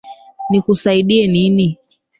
Nikusaidie nini?